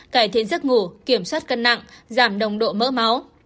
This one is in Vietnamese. cải thiện giấc ngủ kiểm soát cân nặng giảm nồng độ mỡ máu